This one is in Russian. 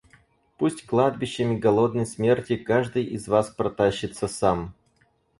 Пусть кладбищами голодной смерти каждый из вас протащится сам!